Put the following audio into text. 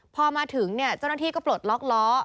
พอมาถึงเนี่ยเจ้านักที่ก็โปรดหลอกล้อ